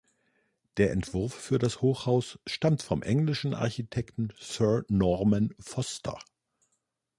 Der Entwurf für das Hochhaus stammt vom englischen Architekten Sir Norman Foster.